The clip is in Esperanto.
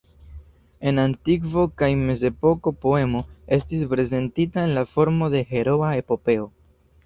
En antikvo kaj mezepoko poemo estis prezentita en la formo de heroa epopeo.